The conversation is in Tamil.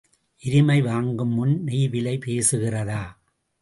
எருமை வாங்கும்முன் நெய் விலை பேசுகிறதா?